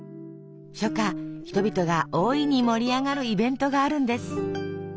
初夏人々が大いに盛り上がるイベントがあるんです。